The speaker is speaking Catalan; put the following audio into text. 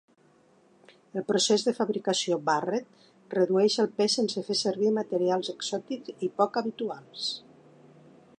El procés de fabricació Barrett redueix el pes sense fer servir materials exòtics i poc habituals.